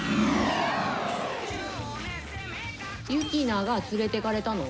ユキナが連れてかれたの？